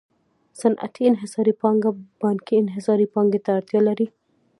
صنعتي انحصاري پانګه بانکي انحصاري پانګې ته اړتیا لري